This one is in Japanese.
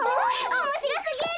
おもしろすぎる！